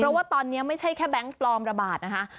เพราะว่าตอนนี้ไม่ใช่แค่แบงค์ปลอมระบาดนะคะ